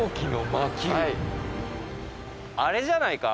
あれじゃないか？